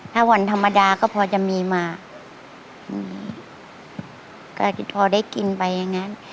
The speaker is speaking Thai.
ถ้าวันธรรมดาก็พอจะมีมาอืมก็พอได้กินไปอย่างงั้น